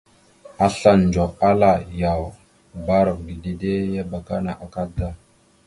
Asla ndzoh, ala: « Yaw, bbarav ge dede ya abakana akadda. ».